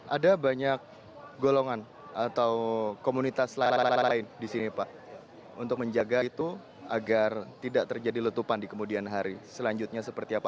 ada banyak golongan atau komunitas lain di sini pak untuk menjaga itu agar tidak terjadi letupan di kemudian hari selanjutnya seperti apa